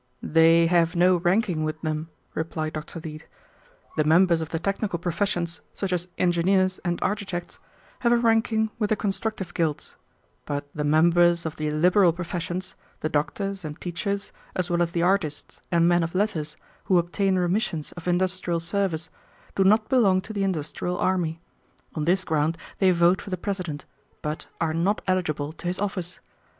"They have no ranking with them," replied Dr. Leete. "The members of the technical professions, such as engineers and architects, have a ranking with the constructive guilds; but the members of the liberal professions, the doctors and teachers, as well as the artists and men of letters who obtain remissions of industrial service, do not belong to the industrial army. On this ground they vote for the President, but are not eligible to his office.